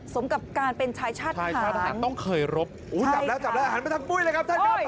สมกับการเป็นชายชาติผ่านใช่ค่ะหันไปทั้งปุ้ยเลยค่ะ